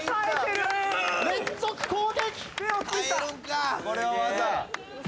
連続攻撃！